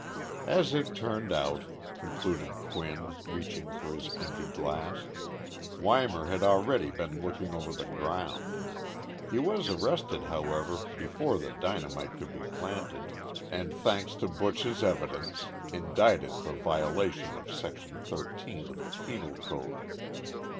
"As it turned out," concluded Quinn, reaching for his empty glass, "Weimar had already been looking over the ground. He was arrested, however, before the dynamite could be planted, and, thanks to Buch's evidence, indicted for violation of Section Thirteen of the Penal Code.